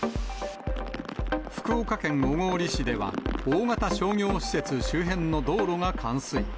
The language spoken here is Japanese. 福岡県小郡市では、大型商業施設周辺の道路が冠水。